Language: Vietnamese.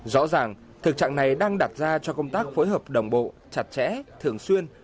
rõ ràng thực trạng này đang đặt ra cho công tác phối hợp đồng bộ chặt chẽ thường xuyên